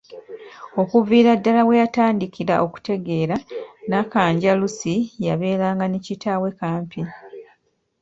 Okuviira ddala we yatandikira okutegeera, Nnakanja Lucky yabeeranga ne kitaawe Kampi.